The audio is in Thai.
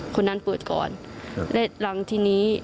คนนั้นเปิดก่อนและหลังทีนี้